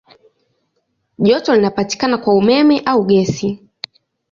Joto linapatikana kwa umeme au gesi.